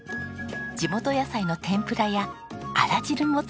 地元野菜の天ぷらやあら汁も付きますよ。